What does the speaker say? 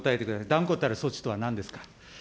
断固たる措置とはなんですか。